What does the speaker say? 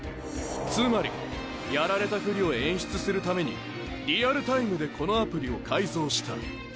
つまりやられたフリを演出するためにリアルタイムでこのアプリを改造した。